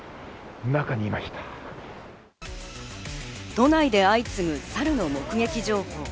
都内で相次ぐサルの目撃情報。